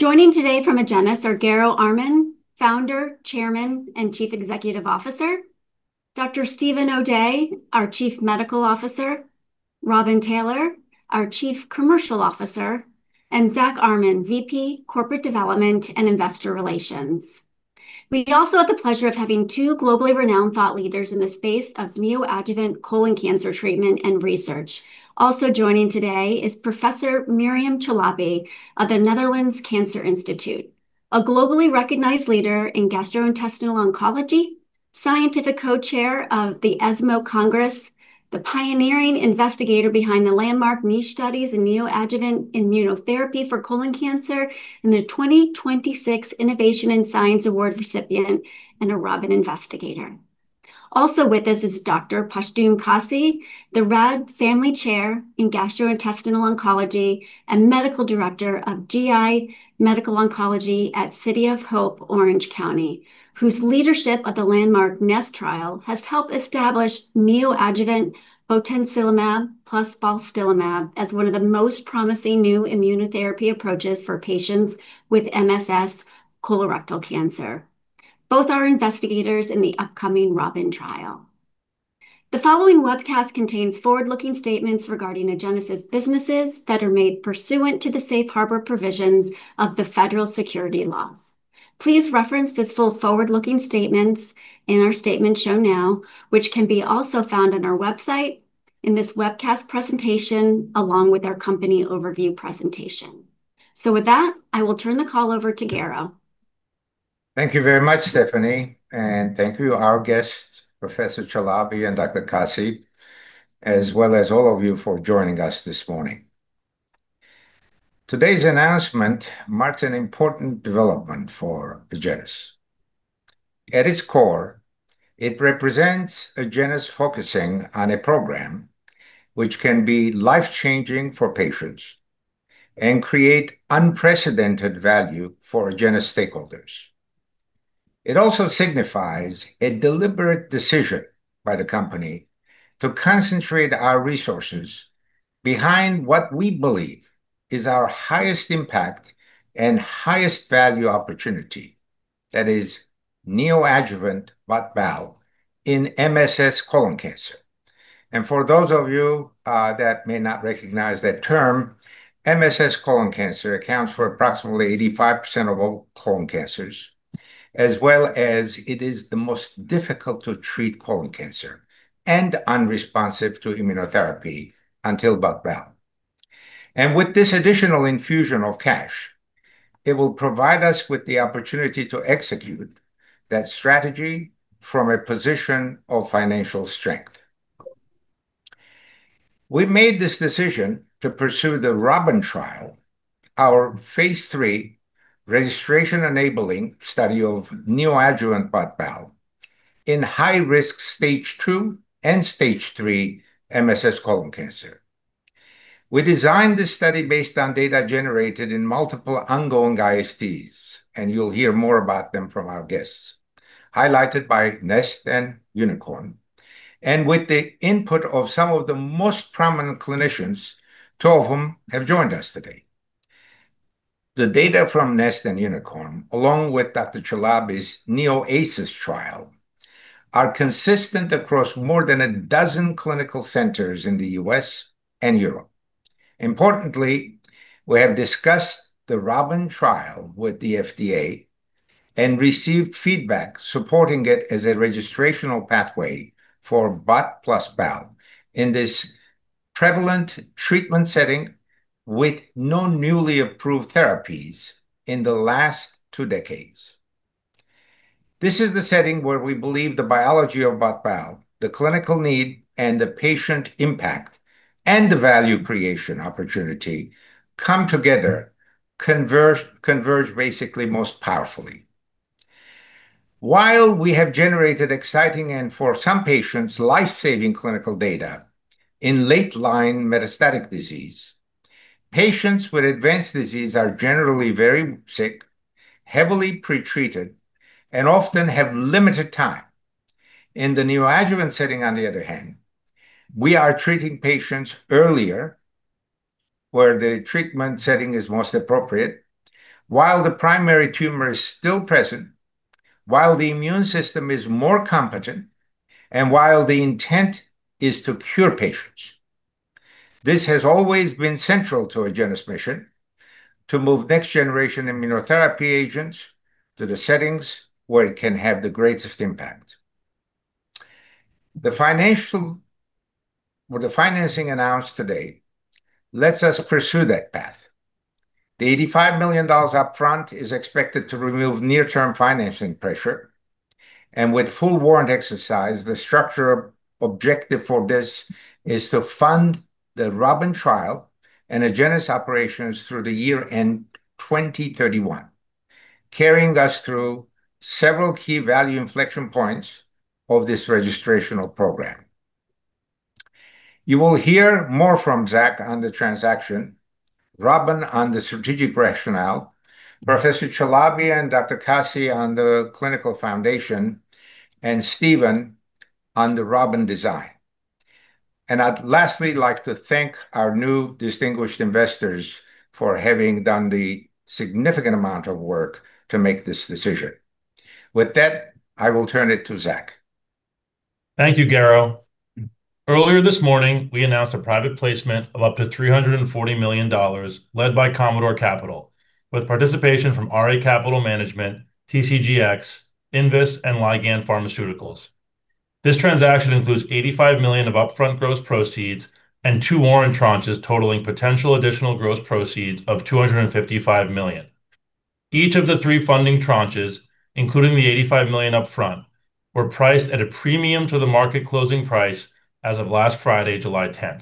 Joining today from Agenus are Garo Armen, Founder, Chairman, and Chief Executive Officer, Dr. Steven O'Day, our Chief Medical Officer, Robin Taylor, our Chief Commercial Officer, and Zack Armen, VP Corporate Development and Investor Relations. We also have the pleasure of having two globally renowned thought leaders in the space of neoadjuvant colon cancer treatment and research. Also joining today is Professor Myriam Chalabi of the Netherlands Cancer Institute, a Globally Recognized Leader in Gastrointestinal Oncology, Scientific Co-Chair of the ESMO Congress, the pioneering investigator behind the landmark NICHE studies in neoadjuvant immunotherapy for colon cancer, and the 2026 Innovators in Science Award recipient, and a ROBBIN investigator. Also with us is Dr. Pashtoon Kasi, the Rad Family Chair in Gastrointestinal Oncology and Medical Director of GI Medical Oncology at City of Hope Orange County, whose leadership of the landmark NEST trial has helped establish neoadjuvant botensilimab plus balstilimab as one of the most promising new immunotherapy approaches for patients with MSS colorectal cancer. Both are investigators in the upcoming ROBBIN trial. The following webcast contains forward-looking statements regarding Agenus's businesses that are made pursuant to the safe harbor provisions of the Federal Securities laws. Please reference these full forward-looking statements in our statement shown now, which can be also found on our website in this webcast presentation, along with our company overview presentation. With that, I will turn the call over to Garo. Thank you very much, Stefanie, and thank you, our guests, Professor Chalabi and Dr. Kasi, as well as all of you for joining us this morning. Today's announcement marks an important development for Agenus. At its core, it represents Agenus focusing on a program which can be life-changing for patients and create unprecedented value for Agenus stakeholders. It also signifies a deliberate decision by the company to concentrate our resources behind what we believe is our highest impact and highest value opportunity, that is neoadjuvant BOT/BAL in MSS colon cancer. For those of you that may not recognize that term, MSS colon cancer accounts for approximately 85% of all colon cancers, as well as it is the most difficult to treat colon cancer and unresponsive to immunotherapy until BOT/BAL. With this additional infusion of cash, it will provide us with the opportunity to execute that strategy from a position of financial strength. We made this decision to pursue the ROBBIN trial, our phase III registration-enabling study of neoadjuvant BOT/BAL in high-risk Stage 2 and Stage 3 MSS colon cancer. We designed this study based on data generated in multiple ongoing ISTs, and you'll hear more about them from our guests, highlighted by NEST and UNICORN, and with the input of some of the most prominent clinicians, two of whom have joined us today. The data from NEST and UNICORN, along with Dr. Chalabi's NEOASIS trial, are consistent across more than a dozen clinical centers in the U.S. and Europe. Importantly, we have discussed the ROBBIN trial with the FDA and received feedback supporting it as a registrational pathway for BOT+BAL in this prevalent treatment setting with no newly approved therapies in the last two decades. This is the setting where we believe the biology of BOT/BAL, the clinical need, and the patient impact, and the value creation opportunity come together, converge basically most powerfully. While we have generated exciting, and for some patients, life-saving clinical data in late-line metastatic disease, patients with advanced disease are generally very sick, heavily pretreated, and often have limited time. In the neoadjuvant setting, on the other hand, we are treating patients earlier, where the treatment setting is most appropriate while the primary tumor is still present, while the immune system is more competent, and while the intent is to cure patients. This has always been central to Agenus's mission, to move next-generation immunotherapy agents to the settings where it can have the greatest impact. The financing announced today lets us pursue that path. The $85 million upfront is expected to remove near-term financing pressure, and with full warrant exercise, the structural objective for this is to fund the ROBBIN trial and Agenus operations through the year end 2031, carrying us through several key value inflection points of this registrational program. You will hear more from Zack on the transaction, Robin on the strategic rationale, Professor Chalabi and Dr. Kasi on the clinical foundation, and Steven on the ROBBIN design. I'd lastly like to thank our new distinguished investors for having done the significant amount of work to make this decision. With that, I will turn it to Zack. Thank you, Garo. Earlier this morning, we announced a private placement of up to $340 million led by Commodore Capital with participation from RA Capital Management, TCGX, Invus, and Ligand Pharmaceuticals. This transaction includes $85 million of upfront gross proceeds and two warrant tranches totaling potential additional gross proceeds of $255 million. Each of the three funding tranches, including the $85 million upfront, were priced at a premium to the market closing price as of last Friday, July 10.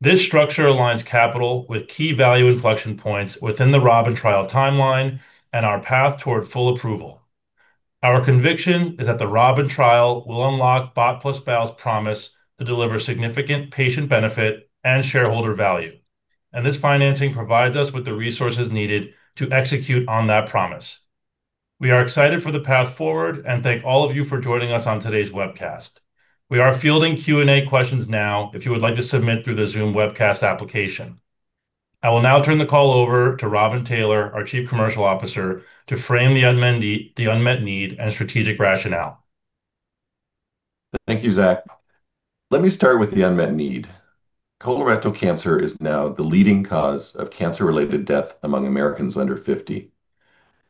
This structure aligns capital with key value inflection points within the ROBBIN trial timeline and our path toward full approval. Our conviction is that the ROBBIN trial will unlock BOT+BAL's promise to deliver significant patient benefit and shareholder value, and this financing provides us with the resources needed to execute on that promise. We are excited for the path forward and thank all of you for joining us on today's webcast. We are fielding Q&A questions now, if you would like to submit through the Zoom webcast application. I will now turn the call over to Robin Taylor, our chief commercial officer, to frame the unmet need and strategic rationale. Thank you, Zack. Let me start with the unmet need. Colorectal cancer is now the leading cause of cancer-related death among Americans under 50.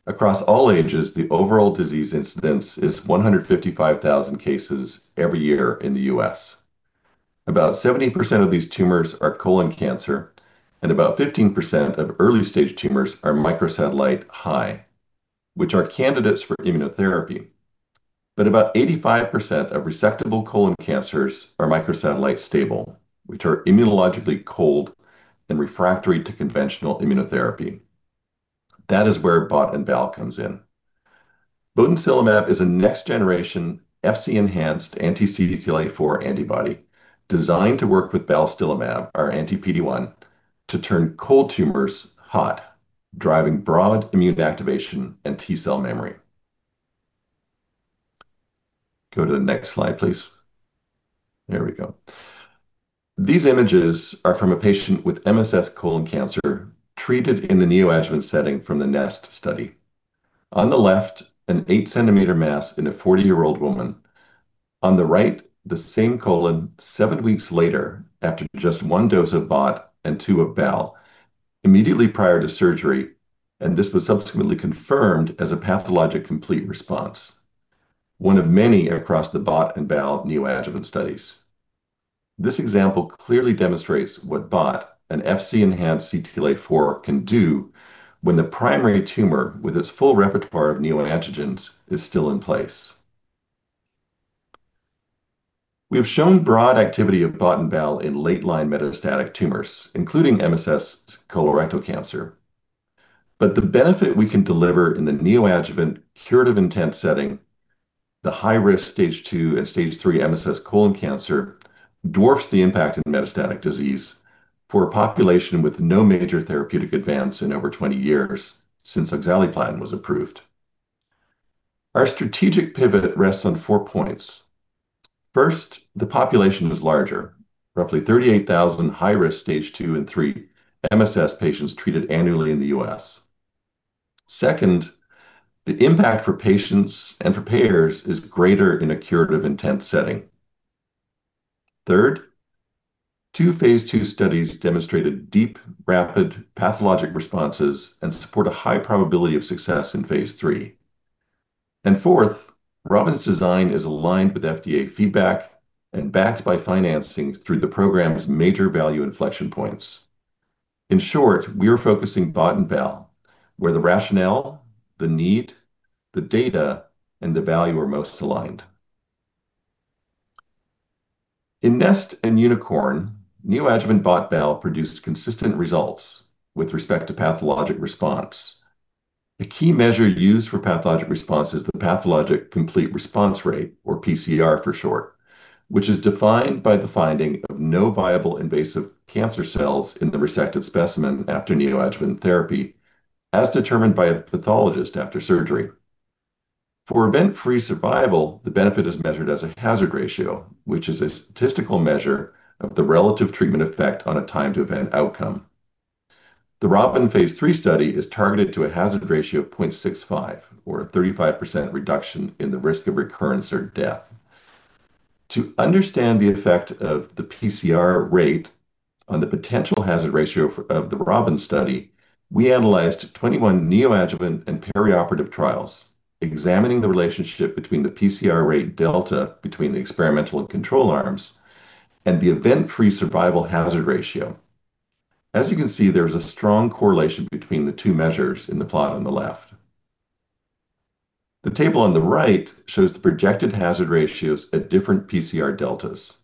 Across all ages, the overall disease incidence is 155,000 cases every year in the U.S. About 70% of these tumors are colon cancer, and about 15% of early-stage tumors are microsatellite instability-high, which are candidates for immunotherapy. About 85% of resectable colon cancers are microsatellite stable, which are immunologically cold and refractory to conventional immunotherapy. That is where BOT and BAL comes in. botensilimab is a next generation Fc-enhanced anti-CTLA-4 antibody designed to work with balstilimab, our anti-PD-1, to turn cold tumors hot, driving broad immune activation and T-cell memory. Go to the next slide, please. There we go. These images are from a patient with MSS colon cancer treated in the neoadjuvant setting from the NEST study. On the left, an 8 cm mass in a 40-year-old woman. On the right, the same colon seven weeks later after just one dose of BOT and two of BAL immediately prior to surgery, and this was subsequently confirmed as a pathologic complete response. One of many across the BOT and BAL neoadjuvant studies. This example clearly demonstrates what BOT, an Fc-enhanced CTLA-4, can do when the primary tumor, with its full repertoire of neoantigens, is still in place. We have shown broad activity of BOT and BAL in late-line metastatic tumors, including MSS colorectal cancer. The benefit we can deliver in the neoadjuvant curative-intent setting, the high-risk Stage 2 and Stage 3 MSS colon cancer dwarfs the impact of metastatic disease for a population with no major therapeutic advance in over 20 years since oxaliplatin was approved. Our strategic pivot rests on four points. First, the population is larger, roughly 38,000 high-risk Stage 2 and 3 MSS patients treated annually in the U.S. Second, the impact for patients and for payers is greater in a curative-intent setting. Third, two phase II studies demonstrated deep, rapid pathologic responses and support a high probability of success in phase III. Fourth, ROBBIN's design is aligned with FDA feedback and backed by financing through the program's major value inflection points. In short, we are focusing BOT and BAL where the rationale, the need, the data, and the value are most aligned. In NEST and UNICORN, neoadjuvant BOT/BAL produced consistent results with respect to pathologic response. A key measure used for pathologic response is the pathologic complete response rate, or PCR for short, which is defined by the finding of no viable invasive cancer cells in the resected specimen after neoadjuvant therapy, as determined by a pathologist after surgery. For event-free survival, the benefit is measured as a hazard ratio, which is a statistical measure of the relative treatment effect on a time to event outcome. The ROBBIN phase III study is targeted to a hazard ratio of 0.65 or a 35% reduction in the risk of recurrence or death. To understand the effect of the PCR rate on the potential hazard ratio of the ROBBIN study, we analyzed 21 neoadjuvant and perioperative trials examining the relationship between the PCR rate delta between the experimental and control arms and the event-free survival hazard ratio. As you can see, there is a strong correlation between the two measures in the plot on the left. The table on the right shows the projected hazard ratios at different PCR deltas.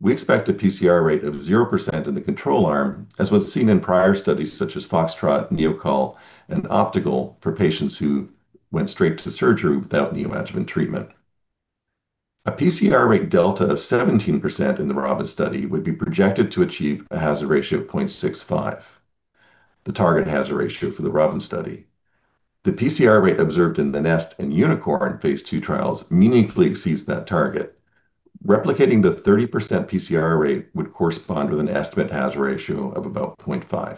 We expect a PCR rate of 0% in the control arm, as was seen in prior studies such as FOXTROT, NeoCol, and OPTICAL for patients who went straight to surgery without neoadjuvant treatment. A PCR rate delta of 17% in the ROBBIN study would be projected to achieve a hazard ratio of 0.65. The PCR rate observed in the NEST and UNICORN phase II trials meaningfully exceeds that target. Replicating the 30% PCR rate would correspond with an estimate hazard ratio of about 0.5.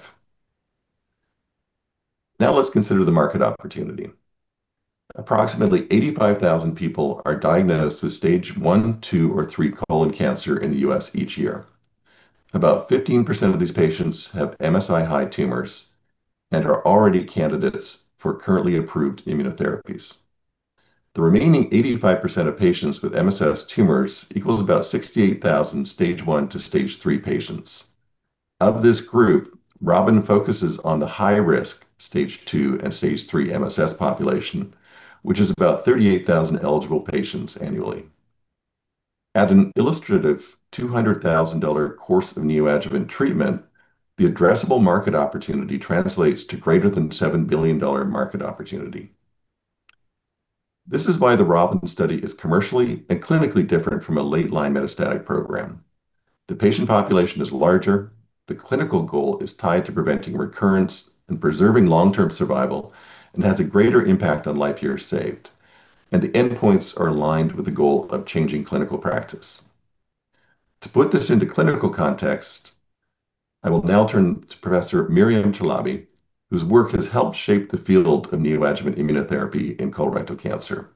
Let's consider the market opportunity. Approximately 85,000 people are diagnosed with Stage 1, 2, or 3 colon cancer in the U.S. each year. About 15% of these patients have MSI-high tumors and are already candidates for currently approved immunotherapies. The remaining 85% of patients with MSS tumors equals about 68,000 Stage 1 to Stage 3 patients. Of this group, ROBBIN focuses on the high-risk Stage 2 and Stage 3 MSS population, which is about 38,000 eligible patients annually. At an illustrative $200,000 course of neoadjuvant treatment, the addressable market opportunity translates to greater than $7 billion market opportunity. This is why the ROBBIN study is commercially and clinically different from a late-line metastatic program. The patient population is larger, the clinical goal is tied to preventing recurrence and preserving long-term survival and has a greater impact on life years saved, and the endpoints are aligned with the goal of changing clinical practice. To put this into clinical context, I will now turn to Professor Myriam Chalabi, whose work has helped shape the field of neoadjuvant immunotherapy in colorectal cancer.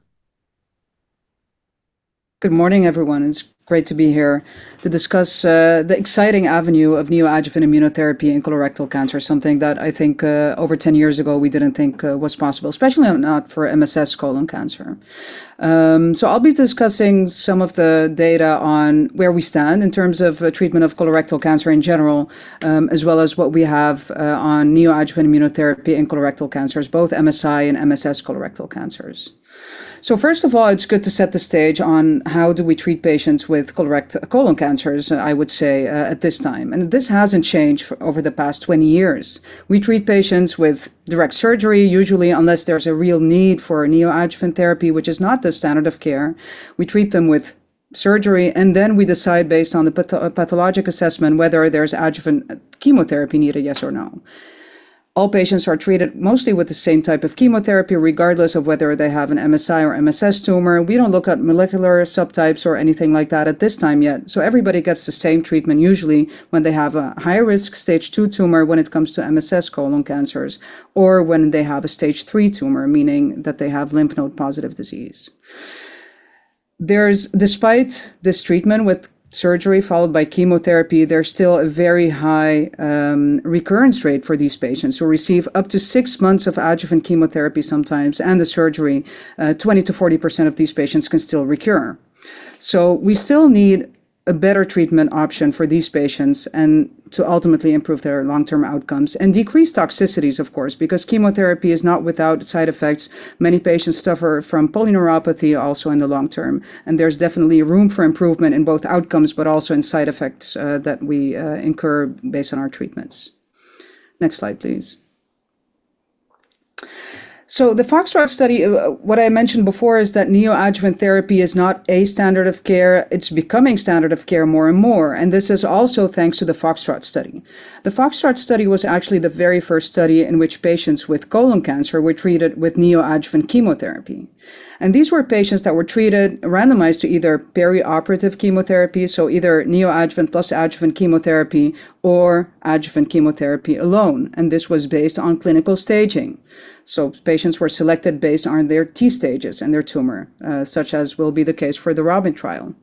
Good morning, everyone. It's great to be here to discuss the exciting avenue of neoadjuvant immunotherapy in colorectal cancer, something that I think over 10 years ago we didn't think was possible, especially not for MSS colon cancer. I'll be discussing some of the data on where we stand in terms of treatment of colorectal cancer in general, as well as what we have on neoadjuvant immunotherapy in colorectal cancers, both MSI and MSS colorectal cancers. First of all, it's good to set the stage on how do we treat patients with colon cancers, I would say, at this time, and this hasn't changed over the past 20 years. We treat patients with direct surgery usually, unless there's a real need for neoadjuvant therapy, which is not the standard of care. We treat them with surgery, then we decide based on the pathologic assessment, whether there's adjuvant chemotherapy needed, yes or no. All patients are treated mostly with the same type of chemotherapy, regardless of whether they have an MSI or MSS tumor. We don't look at molecular subtypes or anything like that at this time yet. Everybody gets the same treatment, usually when they have a high-risk Stage 2 tumor when it comes to MSS colon cancers, or when they have a Stage 3 tumor, meaning that they have lymph node-positive disease. Despite this treatment with surgery followed by chemotherapy, there's still a very high recurrence rate for these patients who receive up to six months of adjuvant chemotherapy sometimes and the surgery, 20%-40% of these patients can still recur. We still need a better treatment option for these patients and to ultimately improve their long-term outcomes and decrease toxicities, of course, because chemotherapy is not without side effects. Many patients suffer from polyneuropathy also in the long term, there's definitely room for improvement in both outcomes, but also in side effects that we incur based on our treatments. Next slide, please. The FOXTROT study, what I mentioned before is that neoadjuvant therapy is not a standard of care. It's becoming standard of care more and more, and this is also thanks to the FOXTROT study. The FOXTROT study was actually the very first study in which patients with colon cancer were treated with neoadjuvant chemotherapy. These were patients that were treated, randomized to either perioperative chemotherapy, either neoadjuvant plus adjuvant chemotherapy or adjuvant chemotherapy alone, and this was based on clinical staging. Patients were selected based on their T stages and their tumor, such as will be the case for the ROBBIN trial.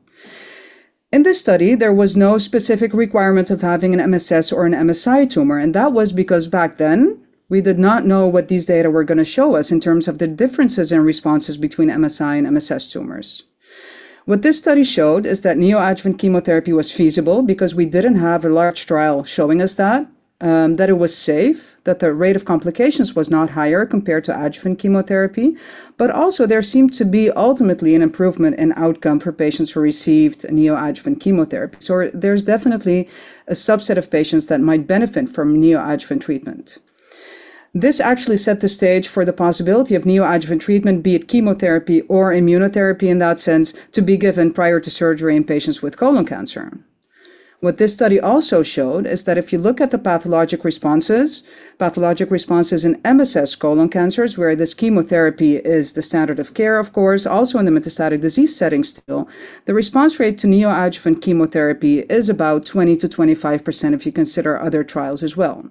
In this study, there was no specific requirement of having an MSS or an MSI tumor, and that was because back then, we did not know what these data were going to show us in terms of the differences in responses between MSI and MSS tumors. What this study showed is that neoadjuvant chemotherapy was feasible because we didn't have a large trial showing us that it was safe, that the rate of complications was not higher compared to adjuvant chemotherapy. Also there seemed to be ultimately an improvement in outcome for patients who received neoadjuvant chemotherapy. There's definitely a subset of patients that might benefit from neoadjuvant treatment. This actually set the stage for the possibility of neoadjuvant treatment, be it chemotherapy or immunotherapy in that sense, to be given prior to surgery in patients with colon cancer. What this study also showed is that if you look at the pathologic responses, pathologic responses in MSS colon cancers, where this chemotherapy is the standard of care, of course, also in the metastatic disease setting still, the response rate to neoadjuvant chemotherapy is about 20%-25% if you consider other trials as well.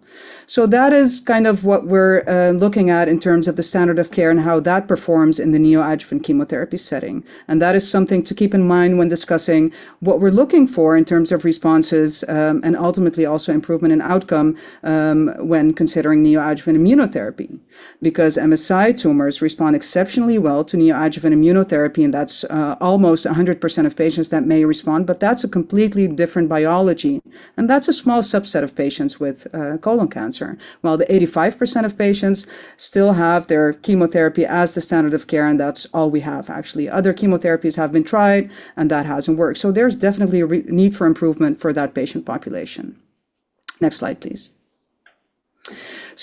That is kind of what we're looking at in terms of the standard of care and how that performs in the neoadjuvant chemotherapy setting. That is something to keep in mind when discussing what we're looking for in terms of responses, and ultimately also improvement in outcome, when considering neoadjuvant immunotherapy. MSI tumors respond exceptionally well to neoadjuvant immunotherapy, and that's almost 100% of patients that may respond, but that's a completely different biology, and that's a small subset of patients with colon cancer. While the 85% of patients still have their chemotherapy as the standard of care, and that's all we have, actually. Other chemotherapies have been tried, and that hasn't worked. There's definitely a need for improvement for that patient population. Next slide, please.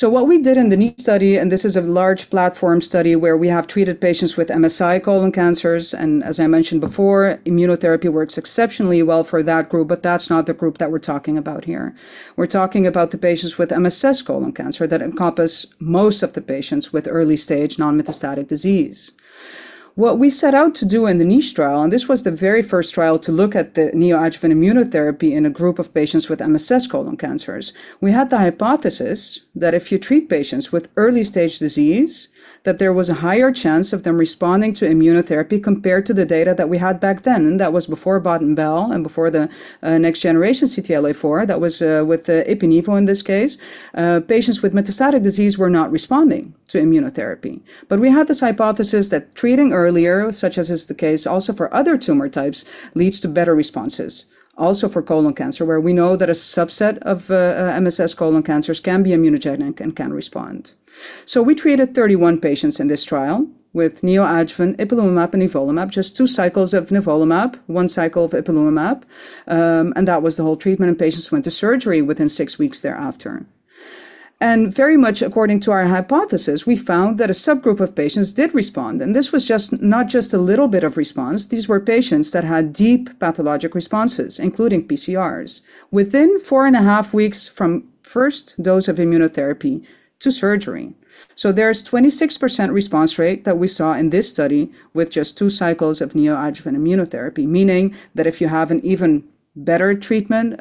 What we did in the new study, and this is a large platform study where we have treated patients with MSI colon cancers, and as I mentioned before, immunotherapy works exceptionally well for that group, but that's not the group that we're talking about here. We're talking about the patients with MSS colon cancer that encompass most of the patients with early-stage non-metastatic disease. What we set out to do in the NICHE trial, and this was the very first trial to look at the neoadjuvant immunotherapy in a group of patients with MSS colon cancers. We had the hypothesis that if you treat patients with early-stage disease, that there was a higher chance of them responding to immunotherapy compared to the data that we had back then. That was before BOT and BAL and before the next generation CTLA-4. That was with ipi/nivo, in this case. Patients with metastatic disease were not responding to immunotherapy. We had this hypothesis that treating earlier, such as is the case also for other tumor types, leads to better responses. Also for colon cancer, where we know that a subset of MSS colon cancers can be immunogenic and can respond. We treated 31 patients in this trial with neoadjuvant ipilimumab and nivolumab, just two cycles of nivolumab, one cycle of ipilimumab, and that was the whole treatment, and patients went to surgery within six weeks thereafter. Very much according to our hypothesis, we found that a subgroup of patients did respond, and this was not just a little bit of response. These were patients that had deep pathologic responses, including PCRs, within 4.5 weeks from the first dose of immunotherapy to surgery. There's a 26% response rate that we saw in this study with just two cycles of neoadjuvant immunotherapy, meaning that if you have an even better treatment,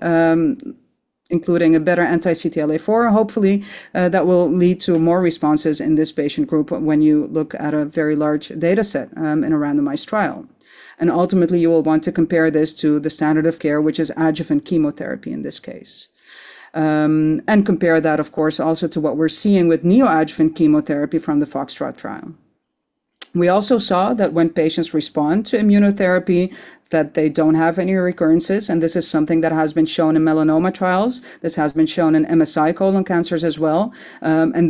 including a better anti-CTLA-4, hopefully, that will lead to more responses in this patient group when you look at a very large data set in a randomized trial. Ultimately, you will want to compare this to the standard of care, which is adjuvant chemotherapy in this case. Compare that, of course, also to what we're seeing with neoadjuvant chemotherapy from the FOXTROT trial. We also saw that when patients respond to immunotherapy, that they don't have any recurrences, and this is something that has been shown in melanoma trials. This has been shown in MSI colon cancers as well.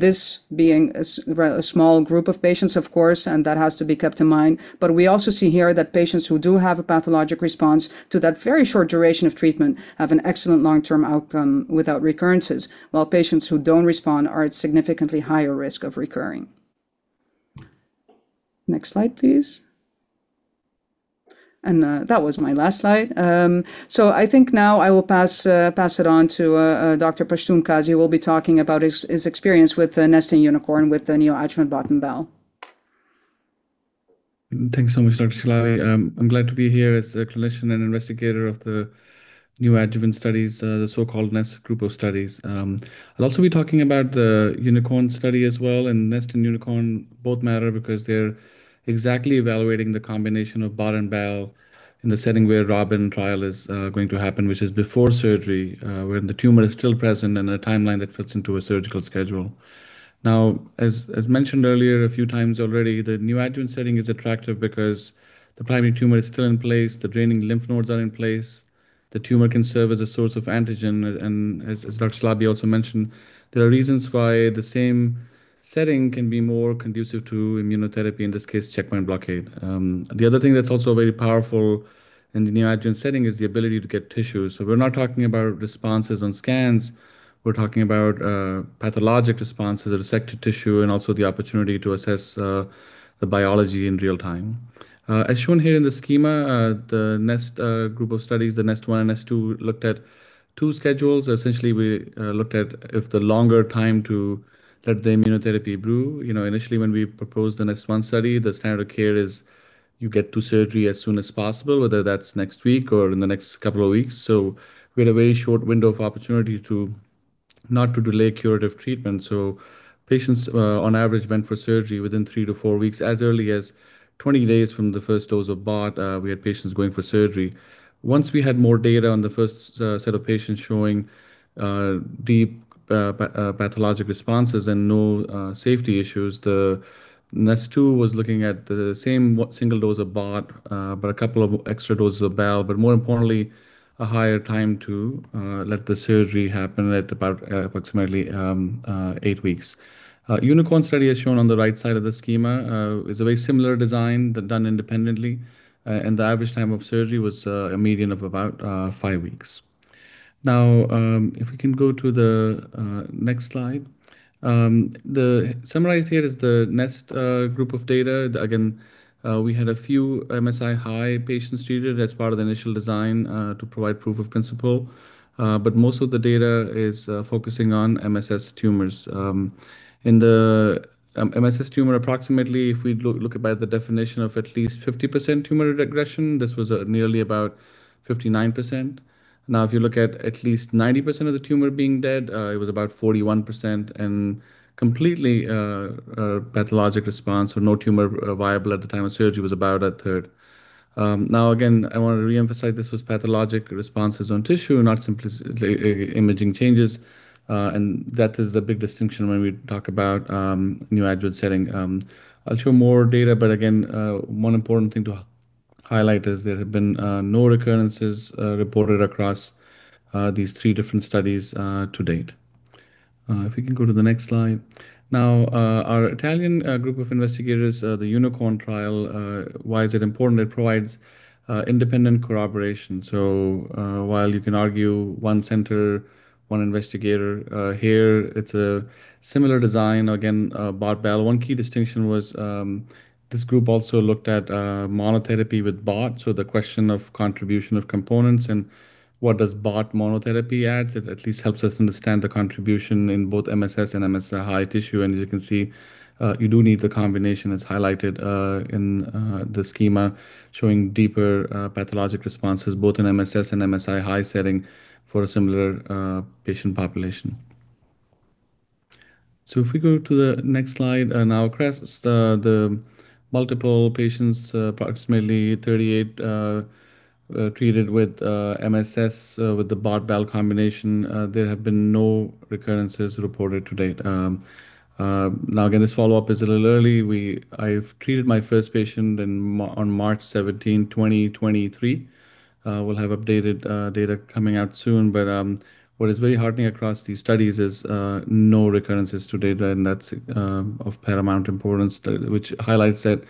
This being a small group of patients, of course, and that has to be kept in mind. We also see here that patients who do have a pathologic response to that very short duration of treatment have an excellent long-term outcome without recurrences, while patients who don't respond are at significantly higher risk of recurring. Next slide, please. That was my last slide. I think now I will pass it on to Dr. Pashtoon Kasi, who will be talking about his experience with the NEST and UNICORN with the neoadjuvant BOT and BAL. Thanks so much, Dr. Chalabi. I'm glad to be here as a clinician and investigator of the neoadjuvant studies, the so-called NEST group of studies. I'll also be talking about the UNICORN study as well. NEST and UNICORN both matter because they're exactly evaluating the combination of BOT and BAL in the setting where ROBBIN trial is going to happen, which is before surgery, when the tumor is still present and a timeline that fits into a surgical schedule. As mentioned earlier a few times already, the neoadjuvant setting is attractive because the primary tumor is still in place. The draining lymph nodes are in place. The tumor can serve as a source of antigen, and as Dr. Chalabi also mentioned, there are reasons why the same setting can be more conducive to immunotherapy, in this case, checkpoint blockade. The other thing that's also very powerful in the neoadjuvant setting is the ability to get tissue. We're not talking about responses on scans, we're talking about pathologic responses of resected tissue and also the opportunity to assess the biology in real time. As shown here in the schema, the NEST group of studies, the NEST-1 and NEST-2, looked at two schedules. Essentially, we looked at if the longer time to let the immunotherapy brew. Initially, when we proposed the NEST-1 study, the standard of care is you get to surgery as soon as possible, whether that's next week or in the next couple of weeks. We had a very short window of opportunity to not to delay curative treatment. Patients, on average, went for surgery within three to four weeks, as early as 20 days from the first dose of BOT, we had patients going for surgery. Once we had more data on the first set of patients showing deep pathologic responses and no safety issues, the NEST-2 was looking at the same single dose of BOT, but a couple of extra doses of BAL, but more importantly, a higher time to let the surgery happen at about approximately eight weeks. UNICORN study, as shown on the right side of the schema, is a very similar design but done independently. The average time of surgery was a median of about five weeks. If we can go to the next slide. Summarized here is the NEST group of data. We had a few MSI-High patients treated as part of the initial design to provide proof of principle. Most of the data is focusing on MSS tumors. In the MSS tumor, approximately, if we look by the definition of at least 50% tumor regression, this was nearly about 59%. If you look at least 90% of the tumor being dead, it was about 41%, and completely pathologic response or no tumor viable at the time of surgery was about a third. Again, I want to reemphasize this was pathologic responses on tissue, not simply imaging changes. That is the big distinction when we talk about neoadjuvant setting. I'll show more data, but again, one important thing to highlight is there have been no recurrences reported across these three different studies to date. If we can go to the next slide. Our Italian group of investigators, the UNICORN trial. Why is it important? It provides independent corroboration. While you can argue one center, one investigator, here, it's a similar design. BOT/BAL. One key distinction was this group also looked at monotherapy with BOT, so the question of contribution of components and what does BOT monotherapy add? It at least helps us understand the contribution in both MSS and MSI-High tissue. As you can see, you do need the combination, as highlighted in the schema, showing deeper pathologic responses, both in MSS and MSI-High setting for a similar patient population. If we go to the next slide, and now across the multiple patients, approximately 38, treated with MSS with the BOT/BAL combination, there have been no recurrences reported to date. Again, this follow-up is a little early. I've treated my first patient on March 17th, 2023. We'll have updated data coming out soon. What is very heartening across these studies is no recurrences to date, and that's of paramount importance, which highlights that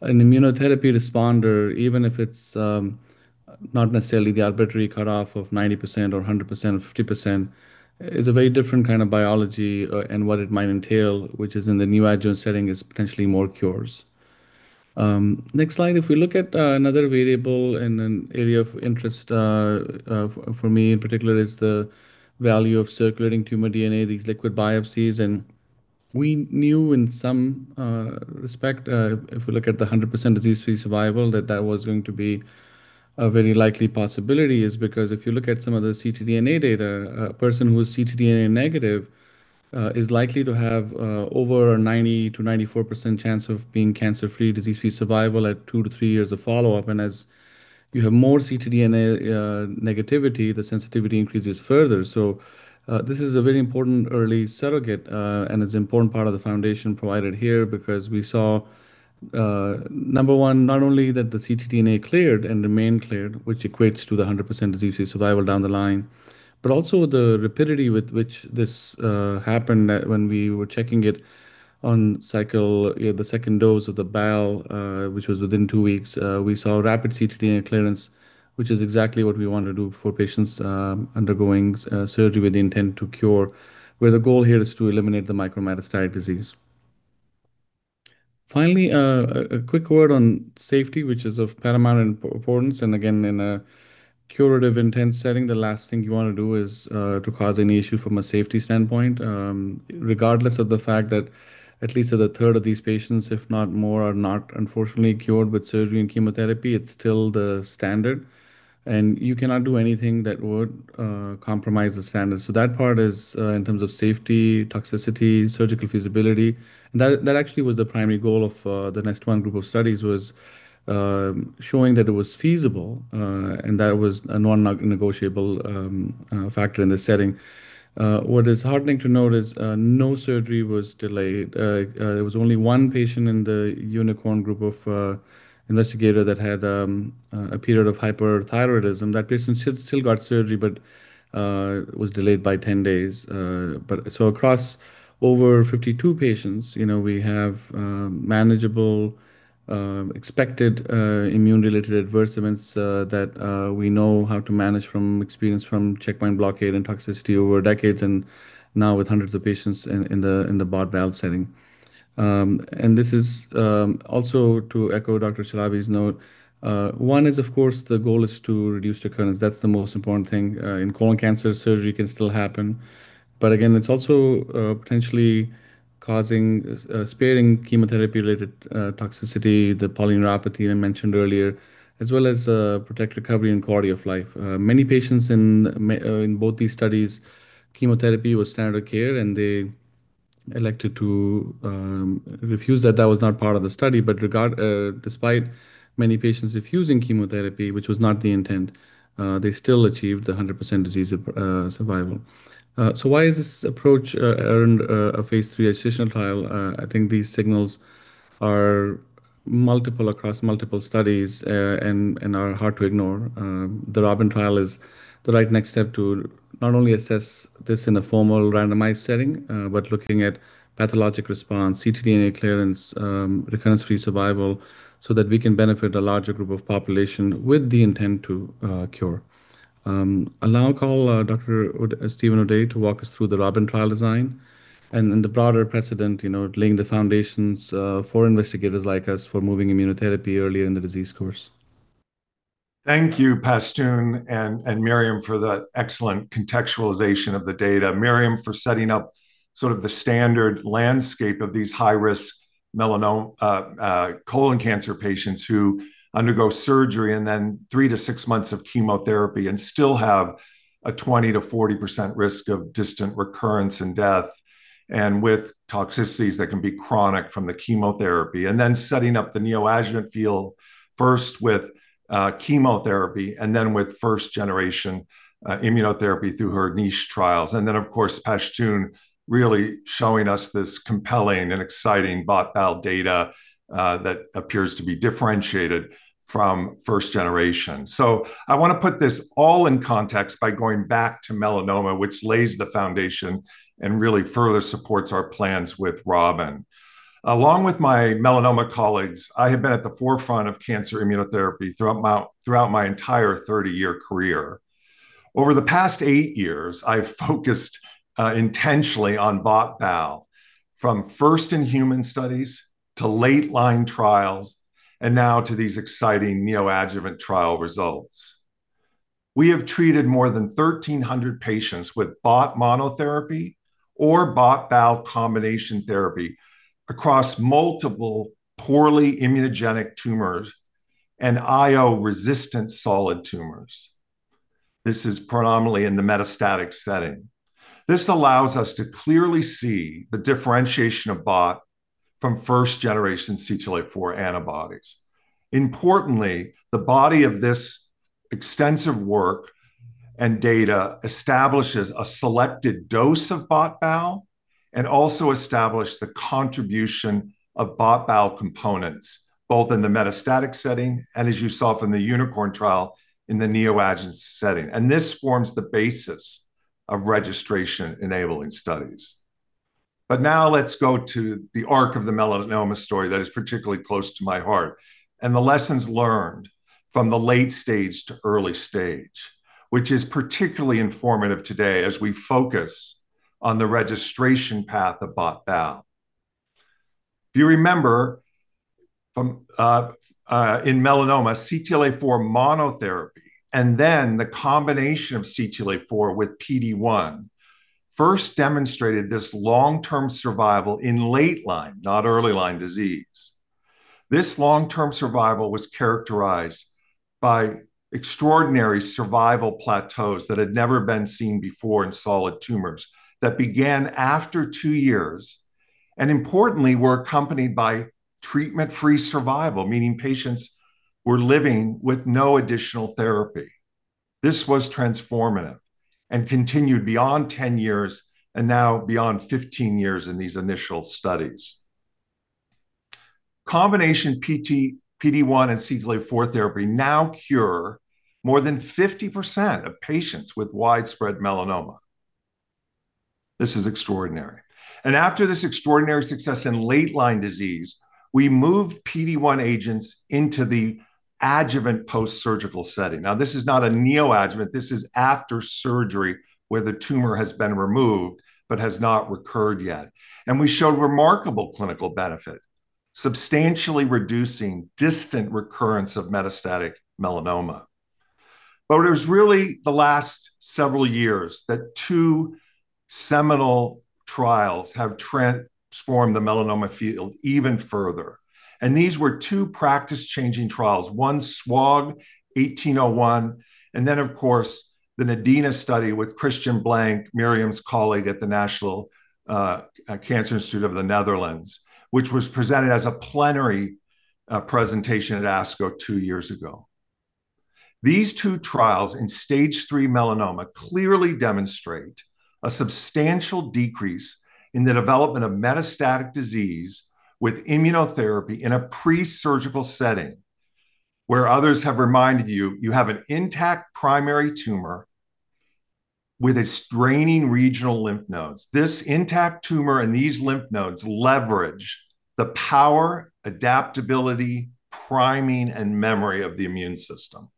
an immunotherapy responder, even if it's not necessarily the arbitrary cutoff of 90% or 100% or 50%, is a very different kind of biology, and what it might entail, which is in the neoadjuvant setting, is potentially more cures. Next slide. If we look at another variable and an area of interest for me, in particular, is the value of circulating tumor DNA, these liquid biopsies. We knew in some respect, if we look at the 100% disease-free survival, that that was going to be a very likely possibility is because if you look at some of the ctDNA data, a person who is ctDNA negative is likely to have over 90%-94% chance of being cancer-free, disease-free survival at two to three years of follow-up. As you have more ctDNA negativity, the sensitivity increases further. This is a very important early surrogate, and it's an important part of the foundation provided here because we saw, number one, not only that the ctDNA cleared and remained cleared, which equates to the 100% disease-free survival down the line, but also the rapidity with which this happened when we were checking it on the second dose of the BAL, which was within two weeks. We saw rapid ctDNA clearance, which is exactly what we want to do for patients undergoing surgery with the intent to cure, where the goal here is to eliminate the micrometastatic disease. Finally, a quick word on safety, which is of paramount importance. Again, in a curative-intent setting, the last thing you want to do is to cause any issue from a safety standpoint, regardless of the fact that at least a third of these patients, if not more, are not unfortunately cured with surgery and chemotherapy, it's still the standard. You cannot do anything that would compromise the standard. That part is in terms of safety, toxicity, surgical feasibility. That actually was the primary goal of the NEST-1 group of studies was showing that it was feasible and that was a non-negotiable factor in this setting. What is heartening to note is no surgery was delayed. There was only one patient in the UNICORN group of investigator that had a period of hyperthyroidism. That patient still got surgery, but was delayed by 10 days. Across over 52 patients, we have manageable, expected immune-related adverse events that we know how to manage from experience from checkpoint blockade and toxicity over decades, and now with hundreds of patients in the BOT/BAL setting. This is also to echo Dr. Chalabi's note. One is, of course, the goal is to reduce recurrence. That's the most important thing. In colon cancer, surgery can still happen. Again, it's also potentially sparing chemotherapy-related toxicity, the polyneuropathy I mentioned earlier, as well as protect recovery and quality of life. Many patients in both these studies, chemotherapy was standard of care and they elected to refuse that. That was not part of the study. Despite many patients refusing chemotherapy, which was not the intent, they still achieved 100% disease survival. Why has this approach earned a phase III additional trial? I think these signals are multiple across multiple studies and are hard to ignore. The ROBBIN trial is the right next step to not only assess this in a formal randomized setting, but looking at pathologic response, ctDNA clearance, recurrence-free survival so that we can benefit a larger group of population with the intent to cure. I'll now call Dr. Steven O'Day to walk us through the ROBBIN trial design and the broader precedent, laying the foundations for investigators like us for moving immunotherapy earlier in the disease course. Thank you, Pashtoon and Myriam, for the excellent contextualization of the data. Myriam for setting up sort of the standard landscape of these high-risk colon cancer patients who undergo surgery and then three to six months of chemotherapy and still have a 20%-40% risk of distant recurrence and death, and with toxicities that can be chronic from the chemotherapy. Then setting up the neoadjuvant field first with chemotherapy and then with first-generation immunotherapy through her NICHE trials. Then, of course, Pashtoon really showing us this compelling and exciting BOT/BAL data that appears to be differentiated from first generation. I want to put this all in context by going back to melanoma, which lays the foundation and really further supports our plans with ROBBIN. Along with my melanoma colleagues, I have been at the forefront of cancer immunotherapy throughout my entire 30-year career. Over the past eight years, I've focused intentionally on BOT/BAL, from first-in-human studies to late line trials, and now to these exciting neoadjuvant trial results. We have treated more than 1,300 patients with BOT monotherapy or BOT/BAL combination therapy across multiple poorly immunogenic tumors and IO-resistant solid tumors. This is predominantly in the metastatic setting. This allows us to clearly see the differentiation of BOT from first generation CTLA-4 antibodies. Importantly, the body of this extensive work and data establishes a selected dose of BOT/BAL, and also established the contribution of BOT/BAL components, both in the metastatic setting and, as you saw from the UNICORN trial, in the neoadjuvant setting. This forms the basis of registration-enabling studies. Now let's go to the arc of the melanoma story that is particularly close to my heart, and the lessons learned from the late stage to early stage, which is particularly informative today as we focus on the registration path of BOT/BAL. If you remember, in melanoma, CTLA-4 monotherapy, and then the combination of CTLA-4 with PD-1, first demonstrated this long-term survival in late line, not early line disease. This long-term survival was characterized by extraordinary survival plateaus that had never been seen before in solid tumors that began after two years, and importantly, were accompanied by treatment-free survival, meaning patients were living with no additional therapy. This was transformative and continued beyond 10 years, and now beyond 15 years in these initial studies. Combination PD-1 and CTLA-4 therapy now cure more than 50% of patients with widespread melanoma. This is extraordinary. After this extraordinary success in late line disease, we moved PD-1 agents into the adjuvant post-surgical setting. This is not a neoadjuvant. This is after surgery where the tumor has been removed but has not recurred yet. We showed remarkable clinical benefit, substantially reducing distant recurrence of metastatic melanoma. It was really the last several years that two seminal trials have transformed the melanoma field even further, and these were two practice-changing trials, one SWOG 1801, and then, of course, the NADINA study with Christian Blank, Myriam's colleague at the Netherlands Cancer Institute, which was presented as a plenary presentation at ASCO two years ago. These two trials in Stage 3 melanoma clearly demonstrate a substantial decrease in the development of metastatic disease with immunotherapy in a pre-surgical setting, where others have reminded you have an intact primary tumor with its draining regional lymph nodes. This intact tumor and these lymph nodes leverage the power, adaptability, priming, and memory of the immune system.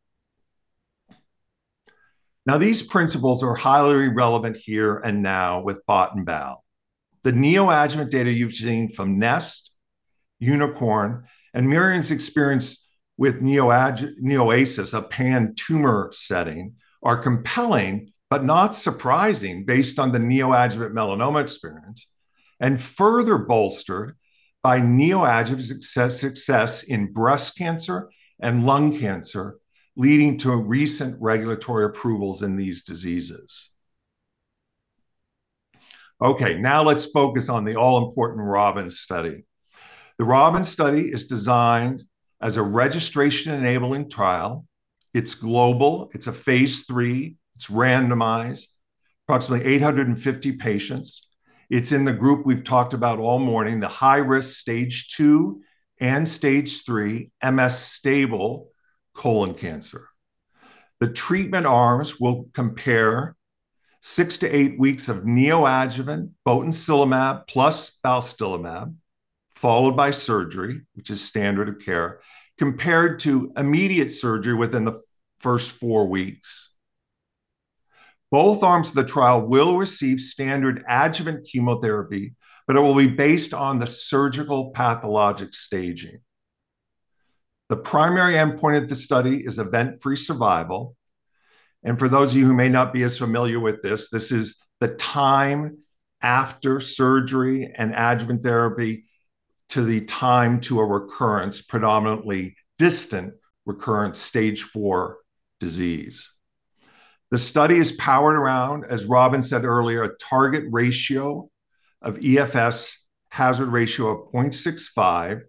These principles are highly relevant here and now with BOT and BAL. The neoadjuvant data you've seen from NEST, UNICORN, and Myriam's experience with NEOASIS, a pan-tumor setting, are compelling but not surprising based on the neoadjuvant melanoma experience, and further bolstered by neoadjuvant success in breast cancer and lung cancer, leading to recent regulatory approvals in these diseases. Now let's focus on the all-important ROBBIN study. The ROBBIN study is designed as a registration-enabling trial. It's global. It's a phase III. It's randomized. Approximately 850 patients. It's in the group we've talked about all morning, the high-risk Stage 2 and Stage 3 MSS colon cancer. The treatment arms will compare six-eight weeks of neoadjuvant botensilimab plus balstilimab, followed by surgery, which is standard of care, compared to immediate surgery within the first four weeks. Both arms of the trial will receive standard adjuvant chemotherapy, but it will be based on the surgical pathologic staging. The primary endpoint of this study is event-free survival. For those of you who may not be as familiar with this is the time after surgery and adjuvant therapy to the time to a recurrence, predominantly distant recurrent Stage 4 disease. The study is powered around, as Robin said earlier, a target ratio of EFS hazard ratio of 0.65,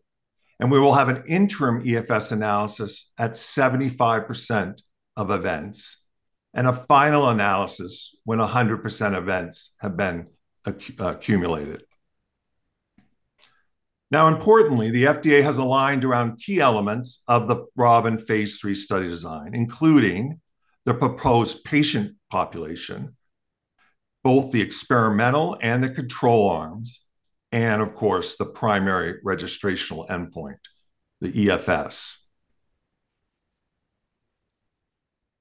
and we will have an interim EFS analysis at 75% of events, and a final analysis when 100% events have been accumulated. Importantly, the FDA has aligned around key elements of the ROBBIN phase III study design, including the proposed patient population, both the experimental and the control arms, and of course, the primary registrational endpoint, the EFS.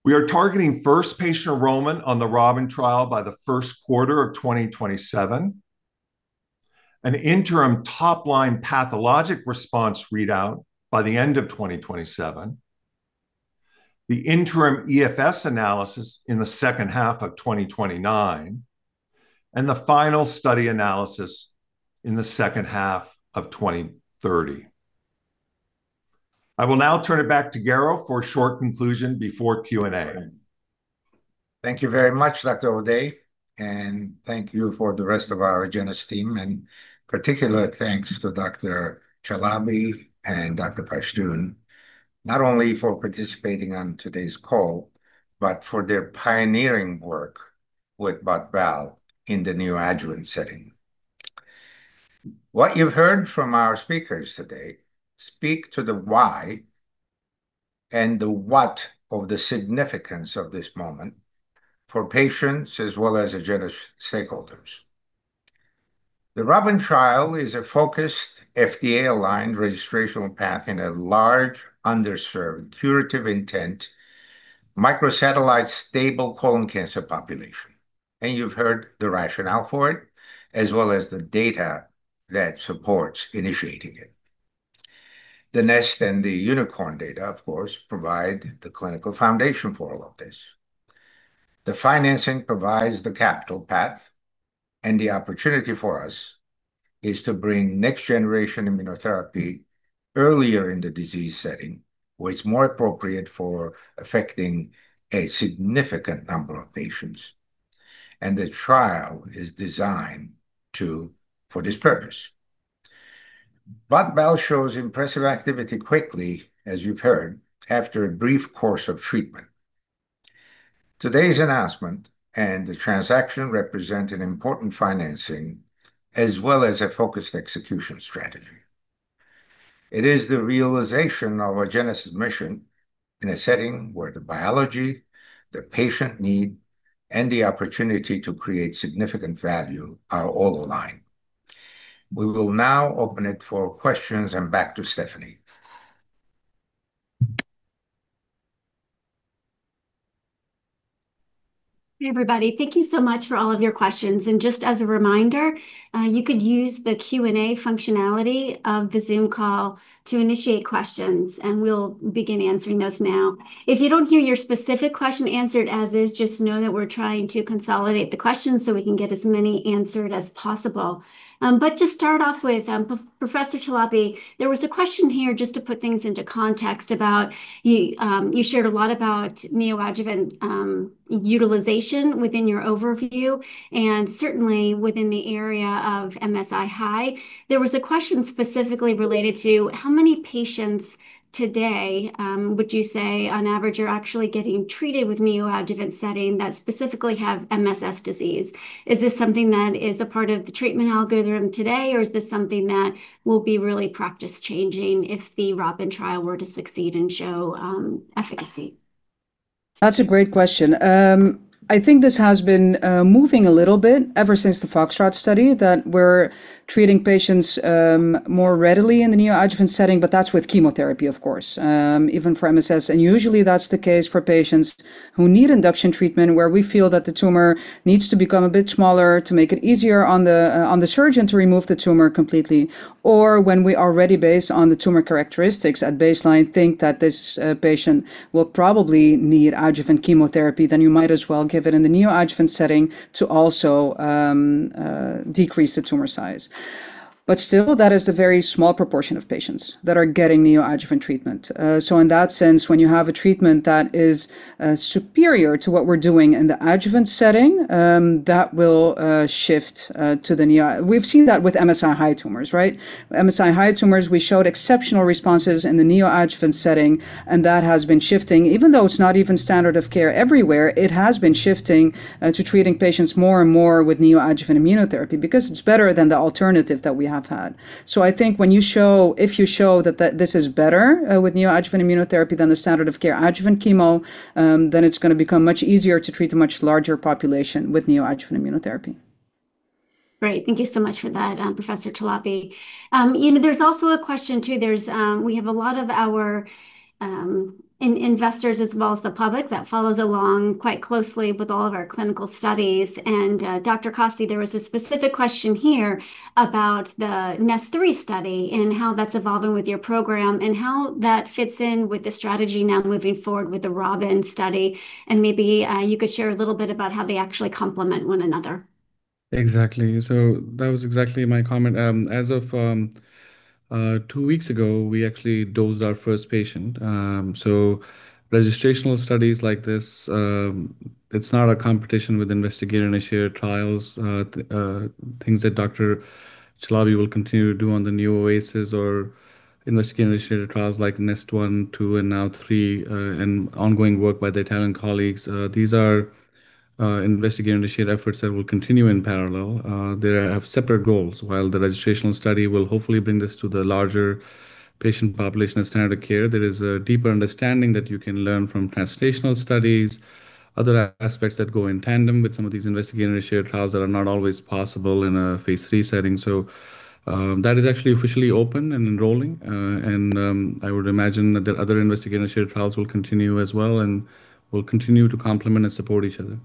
We are targeting first patient enrollment on the ROBBIN trial by the first quarter of 2027. An interim top-line pathologic response readout by the end of 2027. The interim EFS analysis in the second half of 2029, and the final study analysis in the second half of 2030. I will now turn it back to Garo for a short conclusion before Q&A. Thank you very much, Dr. O'Day. Thank you for the rest of our Agenus team, and particular thanks to Dr. Chalabi and Dr. Pashtoon, not only for participating on today's call, but for their pioneering work with BOT/BAL in the neoadjuvant setting. What you've heard from our speakers today speak to the why and the what of the significance of this moment for patients as well as Agenus stakeholders. The ROBBIN trial is a focused, FDA-aligned registrational path in a large, underserved, curative intent, microsatellite stable colon cancer population. You've heard the rationale for it, as well as the data that supports initiating it. The NEST and the UNICORN data, of course, provide the clinical foundation for all of this. The financing provides the capital path. The opportunity for us is to bring next-generation immunotherapy earlier in the disease setting, where it's more appropriate for affecting a significant number of patients. The trial is designed for this purpose. BOT/BAL shows impressive activity quickly, as you've heard, after a brief course of treatment. Today's announcement and the transaction represent an important financing as well as a focused execution strategy. It is the realization of Agenus' mission in a setting where the biology, the patient need, and the opportunity to create significant value are all aligned. We will now open it for questions and back to Stefanie. Hey, everybody. Thank you so much for all of your questions. Just as a reminder, you could use the Q&A functionality of the Zoom call to initiate questions, and we'll begin answering those now. If you don't hear your specific question answered as is, just know that we're trying to consolidate the questions so we can get as many answered as possible. To start off with, Professor Chalabi, there was a question here, just to put things into context, you shared a lot about neoadjuvant utilization within your overview and certainly within the area of MSI-High. There was a question specifically related to how many patients today would you say on average are actually getting treated with neoadjuvant setting that specifically have MSS disease? Is this something that is a part of the treatment algorithm today, or is this something that will be really practice-changing if the ROBBIN phase III trial were to succeed and show efficacy? That's a great question. I think this has been moving a little bit ever since the FOXTROT study, that we're treating patients more readily in the neoadjuvant setting, but that's with chemotherapy, of course, even for MSS. Usually, that's the case for patients who need induction treatment, where we feel that the tumor needs to become a bit smaller to make it easier on the surgeon to remove the tumor completely. When we already, based on the tumor characteristics at baseline, think that this patient will probably need adjuvant chemotherapy, then you might as well give it in the neoadjuvant setting to also decrease the tumor size. Still, that is a very small proportion of patients that are getting neoadjuvant treatment. In that sense, when you have a treatment that is superior to what we're doing in the adjuvant setting, that will shift to the neoadjuvant. We've seen that with MSI-High tumors. MSI-High tumors, we showed exceptional responses in the neoadjuvant setting, and that has been shifting. Even though it's not even standard of care everywhere, it has been shifting to treating patients more and more with neoadjuvant immunotherapy, because it's better than the alternative that we have had. I think if you show that this is better with neoadjuvant immunotherapy than the standard of care adjuvant chemo, it's going to become much easier to treat a much larger population with neoadjuvant immunotherapy. Great. Thank you so much for that, Professor Chalabi. There's also a question, too. We have a lot of our investors as well as the public that follows along quite closely with all of our clinical studies. Dr. Kasi, there was a specific question here about the NEST-3 study and how that's evolving with your program and how that fits in with the strategy now moving forward with the ROBBIN study, maybe you could share a little bit about how they actually complement one another. Exactly. That was exactly my comment. As of two weeks ago, we actually dosed our first patient. Registrational studies like this, it's not a competition with investigator-initiated trials, things that Dr. Chalabi will continue to do on the NEOASIS or investigator-initiated trials like NEST-1, 2, and now 3, and ongoing work by the Italian colleagues. These are investigator-initiated efforts that will continue in parallel. They have separate goals. While the registrational study will hopefully bring this to the larger patient population of standard care, there is a deeper understanding that you can learn from translational studies, other aspects that go in tandem with some of these investigator-initiated trials that are not always possible in a phase III setting. That is actually officially open and enrolling, and I would imagine that the other investigator-initiated trials will continue as well and will continue to complement and support each other.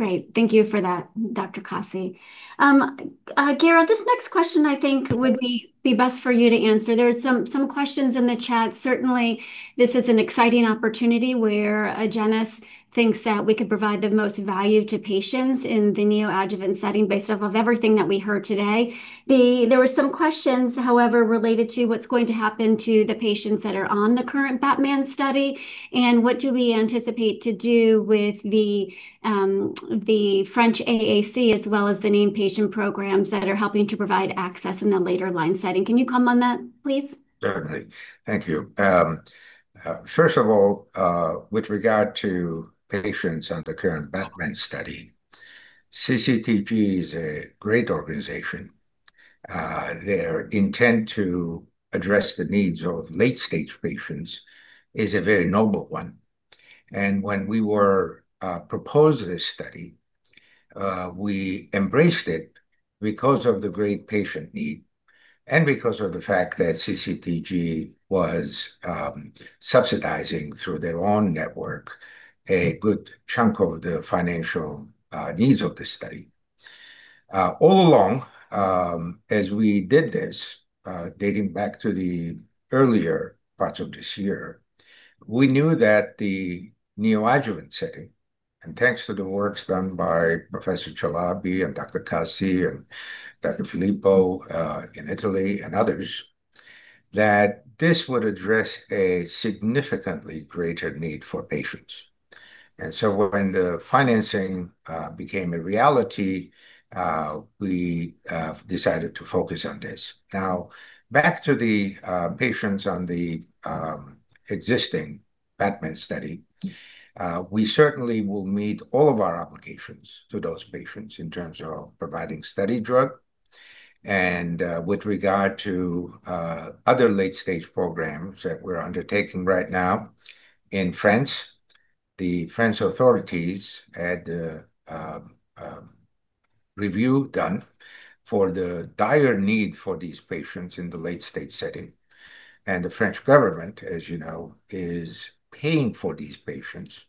Great. Thank you for that, Dr. Kasi. Garo, this next question, I think, would be best for you to answer. There are some questions in the chat. Certainly, this is an exciting opportunity where Agenus thinks that we could provide the most value to patients in the neoadjuvant setting based off of everything that we heard today. There were some questions, however, related to what's going to happen to the patients that are on the current BATTMAN study, and what do we anticipate to do with the French AAC, as well as the named patient programs that are helping to provide access in the later line setting. Can you comment on that, please? Certainly. Thank you. First of all, with regard to patients on the current BATTMAN study, CCTG is a great organization. Their intent to address the needs of late-stage patients is a very noble one. When we were proposed this study, we embraced it because of the great patient need and because of the fact that CCTG was subsidizing, through their own network, a good chunk of the financial needs of the study. All along, as we did this, dating back to the earlier parts of this year, we knew that the neoadjuvant setting, and thanks to the works done by Professor Chalabi and Dr. Kasi and Dr. Filippo in Italy and others, that this would address a significantly greater need for patients. When the financing became a reality, we decided to focus on this. Now, back to the patients on the existing BATTMAN study. We certainly will meet all of our obligations to those patients in terms of providing study drug. With regard to other late-stage programs that we're undertaking right now in France, the French authorities had a review done for the dire need for these patients in the late-stage setting. The French government, as you know, is paying for these patients,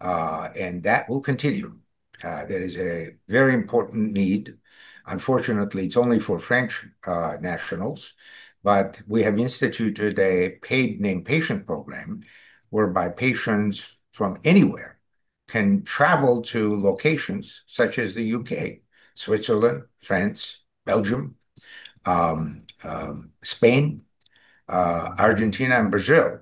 and that will continue. There is a very important need. Unfortunately, it's only for French nationals. We have instituted a paid named patient program whereby patients from anywhere can travel to locations such as the U.K., Switzerland, France, Belgium, Spain, Argentina, and Brazil,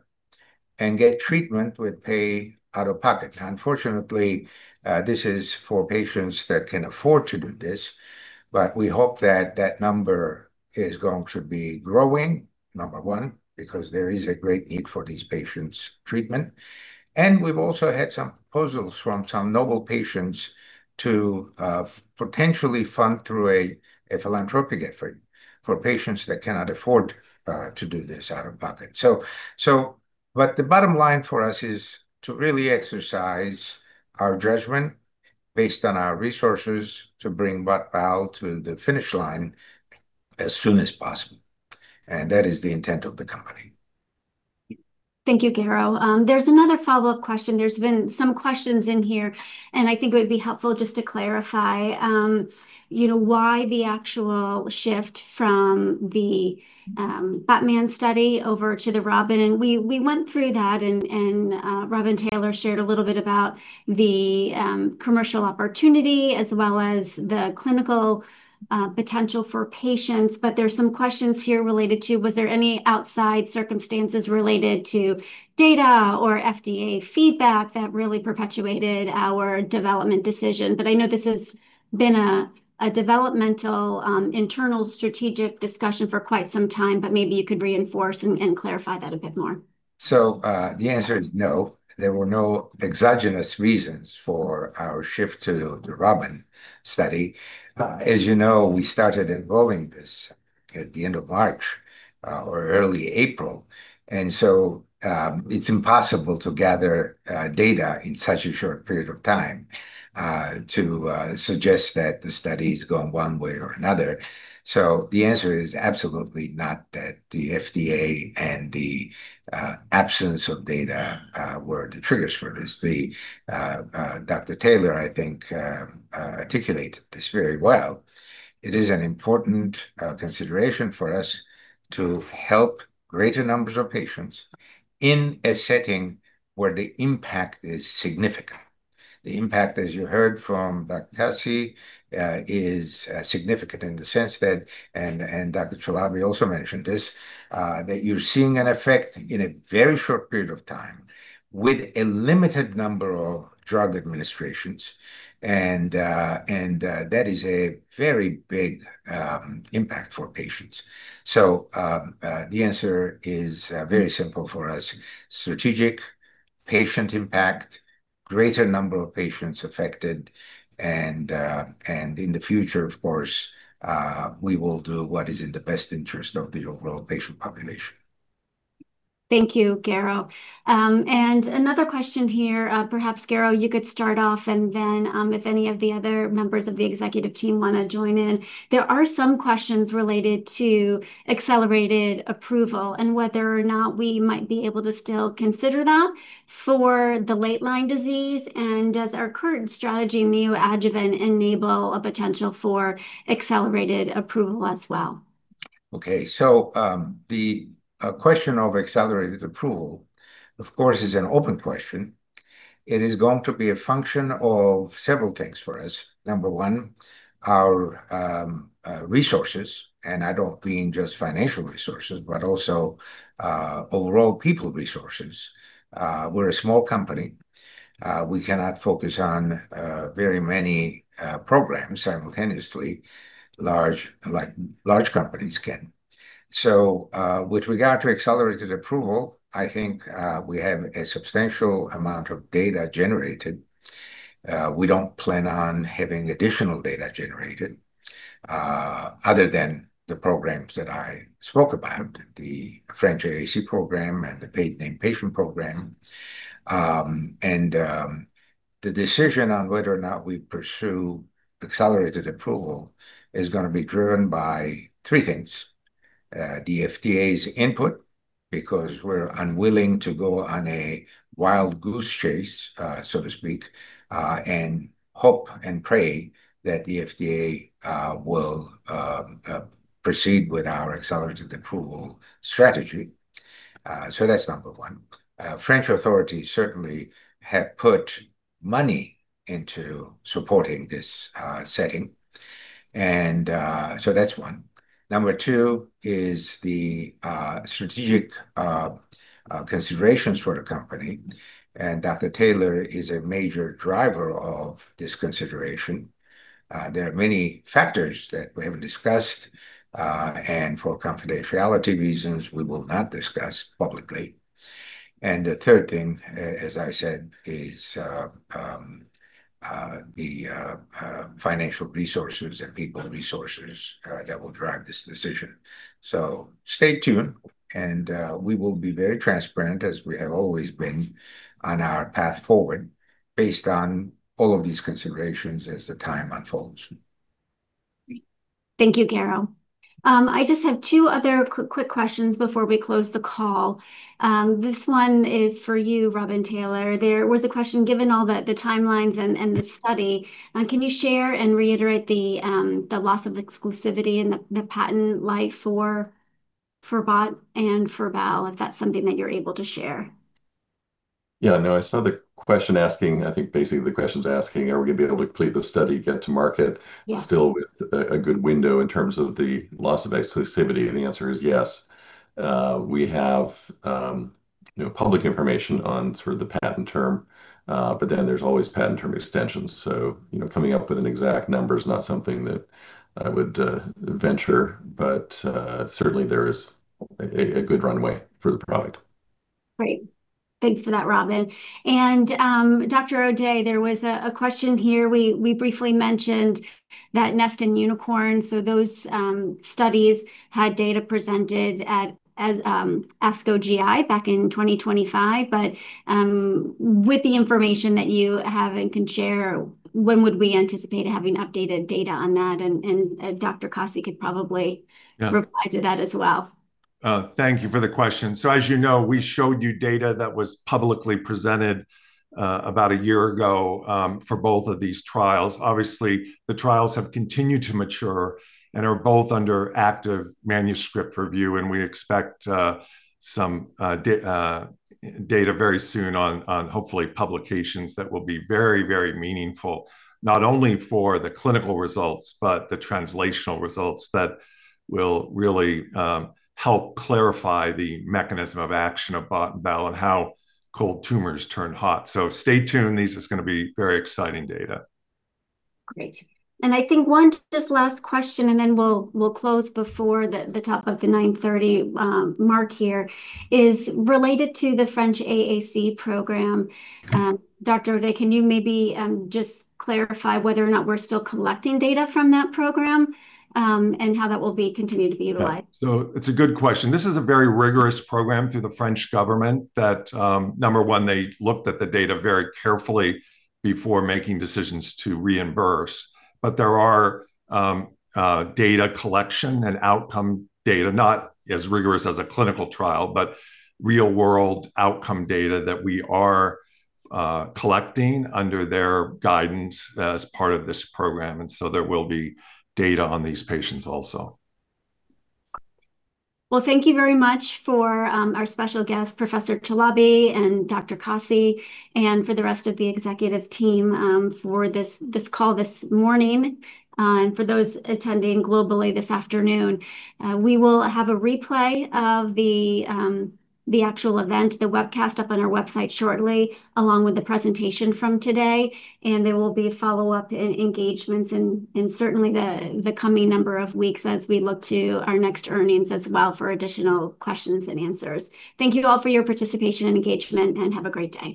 and get treatment with pay out of pocket. Unfortunately, this is for patients that can afford to do this, but we hope that that number is going to be growing, number one, because there is a great need for these patients' treatment. We've also had some proposals from some noble patients to potentially fund through a philanthropic effort for patients that cannot afford to do this out of pocket. The bottom line for us is to really exercise our judgment based on our resources to bring BOT/BAL to the finish line as soon as possible, and that is the intent of the company. Thank you, Garo. There's another follow-up question. There's been some questions in here, I think it would be helpful just to clarify why the actual shift from the BATTMAN study over to the ROBBIN. We went through that, Robin Taylor shared a little bit about the commercial opportunity as well as the clinical potential for patients. There's some questions here related to, was there any outside circumstances related to data or FDA feedback that really perpetuated our development decision? I know this has been a developmental internal strategic discussion for quite some time, but maybe you could reinforce and clarify that a bit more. The answer is no. There were no exogenous reasons for our shift to the ROBBIN study. As you know, we started enrolling this at the end of March or early April. It's impossible to gather data in such a short period of time to suggest that the study is going one way or another. The answer is absolutely not that the FDA and the absence of data were the triggers for this. Dr. Taylor, I think, articulated this very well. It is an important consideration for us to help greater numbers of patients in a setting where the impact is significant. The impact, as you heard from Dr. Kasi, is significant in the sense that, and Dr. Chalabi also mentioned this, that you're seeing an effect in a very short period of time with a limited number of drug administrations, and that is a very big impact for patients. The answer is very simple for us. Strategic patient impact, greater number of patients affected, and in the future, of course, we will do what is in the best interest of the overall patient population. Thank you, Garo. Another question here. Perhaps, Garo, you could start off, and then if any of the other members of the executive team want to join in. There are some questions related to accelerated approval and whether or not we might be able to still consider that for the late-line disease, and does our current strategy, neoadjuvant, enable a potential for accelerated approval as well? Okay. The question of accelerated approval, of course, is an open question. It is going to be a function of several things for us. Number one, our resources, and I don't mean just financial resources, but also overall people resources. We're a small company. We cannot focus on very many programs simultaneously, like large companies can. With regard to accelerated approval, I think we have a substantial amount of data generated. We don't plan on having additional data generated other than the programs that I spoke about, the French AAC program and the paid named patient program. The decision on whether or not we pursue accelerated approval is going to be driven by three things. The FDA's input, because we're unwilling to go on a wild goose chase, so to speak, and hope and pray that the FDA will proceed with our accelerated approval strategy. That's number one. French authorities certainly have put money into supporting this setting. That's one. Number two is the strategic considerations for the company. Dr. Taylor is a major driver of this consideration. There are many factors that we haven't discussed. For confidentiality reasons, we will not discuss publicly. The third thing, as I said, is the financial resources and people resources that will drive this decision. Stay tuned. We will be very transparent, as we have always been, on our path forward based on all of these considerations as the time unfolds. Thank you, Garo. I just have two other quick questions before we close the call. This one is for you, Robin Taylor. There was a question, given all the timelines and the study, can you share and reiterate the loss of exclusivity and the patent life for BOT and for BAL, if that's something that you're able to share? I saw the question asking, I think basically the question's asking, are we going to be able to complete the study, get to market. Still with a good window in terms of the loss of exclusivity? The answer is yes. We have public information on sort of the patent term. There's always patent term extensions, coming up with an exact number is not something that I would venture. Certainly, there is a good runway for the product. Great. Thanks for that, Robin. Dr. O'Day, there was a question here. We briefly mentioned that NEST and UNICORN, those studies had data presented at ASCO GI back in 2025. With the information that you have and can share, when would we anticipate having updated data on that? Dr. Kasi could probably reply to that as well. Thank you for the question. As you know, we showed you data that was publicly presented about a year ago for both of these trials. Obviously, the trials have continued to mature and are both under active manuscript review, and we expect some data very soon on hopefully publications that will be very, very meaningful, not only for the clinical results, but the translational results that will really help clarify the mechanism of action of BOT and BAL and how cold tumors turn hot. Stay tuned. This is going to be very exciting data. Great. I think one just last question, then we'll close before the top of the 9:30 A.M. mark here, is related to the French AAC program. Dr. O'Day, can you maybe just clarify whether or not we're still collecting data from that program, how that will be continued to be utilized? It's a good question. This is a very rigorous program through the French government that, number one, they looked at the data very carefully before making decisions to reimburse. There are data collection and outcome data, not as rigorous as a clinical trial, but real-world outcome data that we are collecting under their guidance as part of this program. There will be data on these patients also. Well, thank you very much for our special guest, Professor Chalabi and Dr. Kasi, for the rest of the executive team, for this call this morning, for those attending globally this afternoon. We will have a replay of the actual event, the webcast, up on our website shortly, along with the presentation from today, there will be follow-up engagements in certainly the coming number of weeks as we look to our next earnings as well for additional questions and answers. Thank you all for your participation and engagement, have a great day.